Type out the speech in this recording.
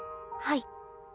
はい。